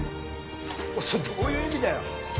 おいそれどういう意味だよ！